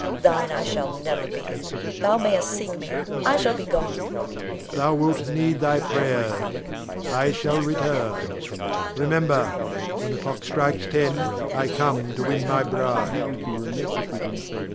Thine I shall never be! Thou mayst seek me; I shall be gone. Rod. Thou wilt need thy prayers. I shall return, remember, when the clock strikes ten, I come to win my bride. [Exit. Leonore.